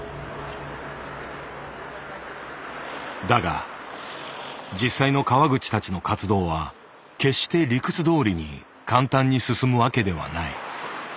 だが実際の川口たちの活動は決して理屈どおりに簡単に進むわけではない。